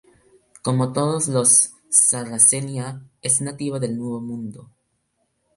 Como todos los "Sarracenia", es nativa del nuevo mundo.